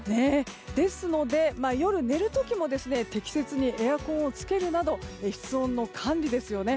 ですので夜寝る時も適切にエアコンをつけるなど室温の管理ですよね。